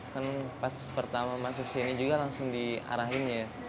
kan pas pertama masuk sini juga langsung diarahin ya